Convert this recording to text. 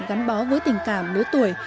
gắn bó với tình cảm nếu tuổi